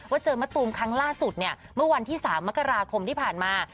เจอมะตูมครั้งล่าสุดเนี่ยเมื่อวันที่๓มกราคมที่ผ่านมา